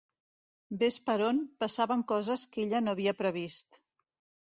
Ves per on, passaven coses que ella no havia previst.